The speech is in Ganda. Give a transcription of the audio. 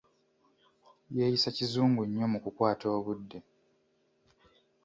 Yeeyisa kizungu nnyo mu kukwata obudde.